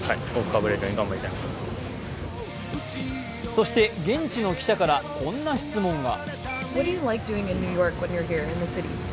そして現地の記者からこんな質問が。